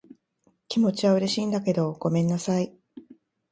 気持ちは嬉しいんだけど、ごめんなさい。